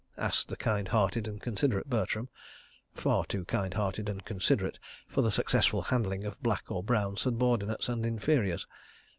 asked the kind hearted and considerate Bertram (far too kind hearted and considerate for the successful handling of black or brown subordinates and inferiors).